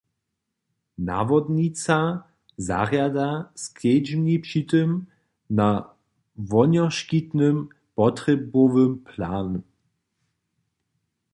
Nawodnica zarjada skedźbni při tym na wohnjoškitny potrjebowy plan.